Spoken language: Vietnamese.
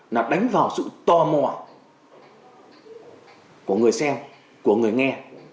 là đánh vào sự tò mò của người xem của người nghe